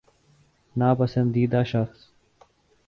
نا پسندیدہ شخص